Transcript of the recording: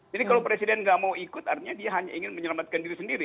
jadi kalau presiden nggak mau ikut artinya dia hanya ingin menyelamatkan diri sendiri